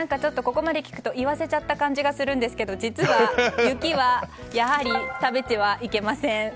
ここまで聞くと言わせちゃった感じがするんですが実は、雪はやはり食べてはいけません。